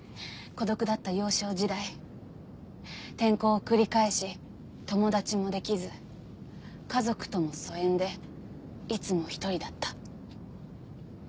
孤独だった幼少時代転校を繰り返し友達もできず家族とも疎遠でいつも一人だった。